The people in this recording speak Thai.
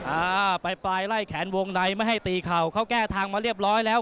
อ่าปลายปลายไล่แขนวงในไม่ให้ตีเข่าเขาแก้ทางมาเรียบร้อยแล้ว